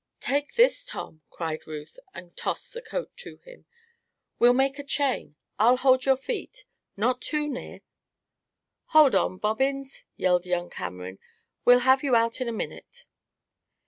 "Take this, Tom!" cried Ruth, and tossed the coat to him. "We'll make a chain I'll hold your feet. Not too near!" "Hold on, Bobbins!" yelled young Cameron. "We'll have you out in a minute!"